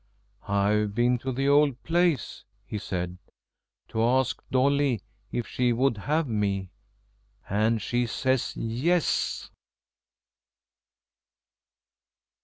"I've been to the old place," he said, "to ask Dolly if she would have me. And she says 'Yes.'"